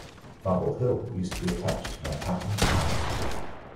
Marble Hill used to be attached to Manhattan Island.